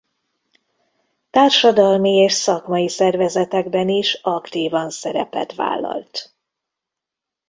Társadalmi és szakmai szervezetekben is aktívan szerepet vállalt.